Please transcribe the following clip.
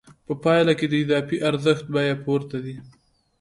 په پایله کې د اضافي ارزښت بیه پورته ځي